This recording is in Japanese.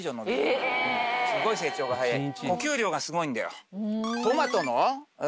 すごい成長が早い。